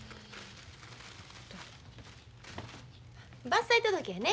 伐採届やね？